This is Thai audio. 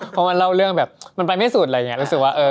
เพราะมันเล่าเรื่องแบบมันไปไม่สุดอะไรอย่างนี้